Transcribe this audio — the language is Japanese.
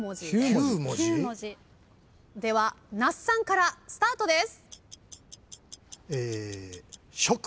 では那須さんからスタートです。